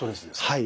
はい。